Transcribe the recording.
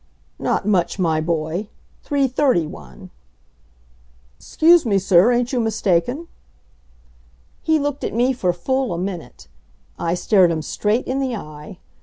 "Not much, my boy 331." "'Scuse me, sir, ain't you mistaken?" He looked at me for full a minute. I stared him straight in the eye.